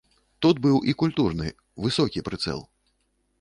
Тут быў і культурны, высокі прыцэл.